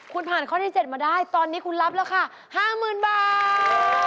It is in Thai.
คุณผ่านข้อที่๗มาได้ตอนนี้คุณรับราคา๕๐๐๐บาท